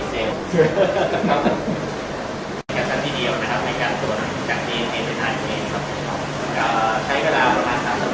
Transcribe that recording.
สวัสดีครับ